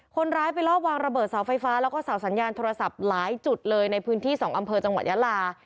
คนร้ายไปลอบวางระเบิดเสาไฟฟ้าแล้วก็เสาสัญญาณโทรศัพท์หลายจุดเลยในพื้นที่๒อำเภอจังหวัดยาลา